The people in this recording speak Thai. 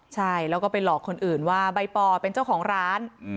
ใช่แล้วก็ไปหลอกคนอื่นว่าใบปอเป็นเจ้าของร้าน